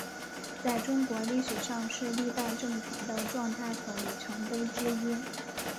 在中国历史上是历代政权的状态和里程碑之一。